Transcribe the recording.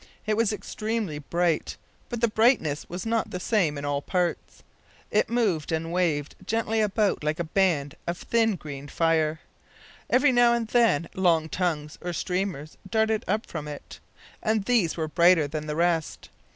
It was extremely bright, but the brightness was not the same in all parts. It moved and waved gently about like a band of thin green fire. Every now and then long tongues or streamers darted up from it, and these were brighter than the rest.